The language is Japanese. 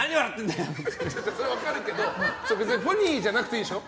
それは分かるけどポニーじゃなくていいでしょ？